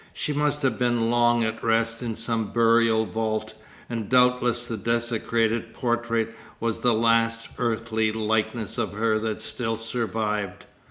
She must have been long at rest in some burial vault, and doubtless the desecrated portrait was the last earthly likeness of her that still survived.